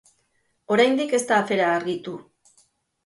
Oraindik ez da afera argitu.